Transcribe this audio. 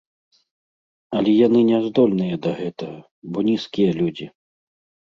Але яны не здольныя да гэтага, бо нізкія людзі.